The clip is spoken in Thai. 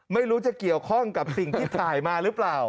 ไม่รู้จะเกี่ยวข้องกับสิ่งที่ถ่ายมาหรือเปล่า